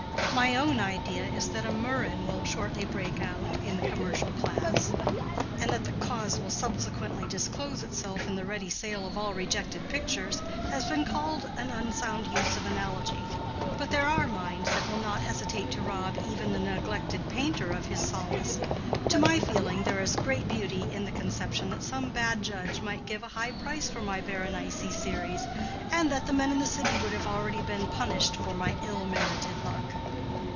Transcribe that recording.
My own idea that a murrain will shortly break out in the commercial class, and that the cause will subsequently disclose itself in the ready sale of all rejected pictures, has been called an unsound use of analogy; but there are minds that will not hesitate to rob even the neglected painter of his solace. To my feeling there is great beauty in the conception that some bad judge might give a high price for my Berenice series, and that the men in the city would have already been punished for my ill merited luck.